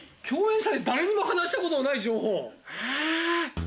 共演者で誰にも話したことのない情報、えっ！